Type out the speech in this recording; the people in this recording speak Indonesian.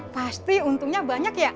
pasti untungnya banyak ya